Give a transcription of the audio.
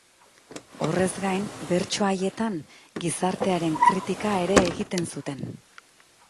Horrez gain, bertso haietan gizartearen kritika ere egiten zuten.